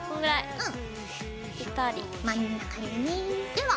うん。